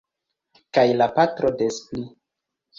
Kaj la patro des pli.